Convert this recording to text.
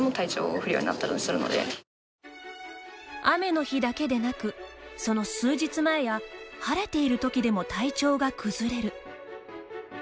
雨の日だけでなくその数日前や晴れているときでも体調が崩れる。